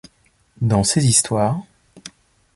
Dans ces histoires...